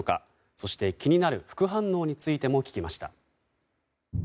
そして、気になる副反応についても聞きました。